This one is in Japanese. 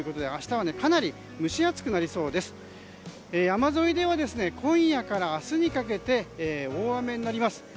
山沿いでは今夜から明日にかけて大雨になります。